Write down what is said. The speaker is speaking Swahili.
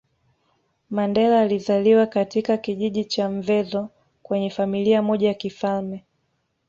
Mandela alizaliwa katika kijiji cha Mvezo kwenye Familia moja ya kifalme